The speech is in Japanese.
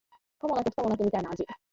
可もなく不可もなくみたいな味